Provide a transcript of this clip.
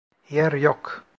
Yer yok!